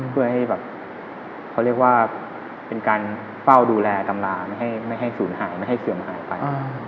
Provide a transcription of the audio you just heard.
เพื่อให้แบบเขาเรียกว่าเป็นการเฝ้าดูแลตำราไม่ให้ศูนย์หายไม่ให้เสื่อมหายไป